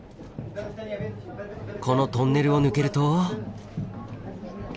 このトンネルを抜けると。